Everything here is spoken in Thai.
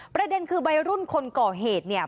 ประเด็นคือวัยรุ่นคนก่อเหตุเนี่ย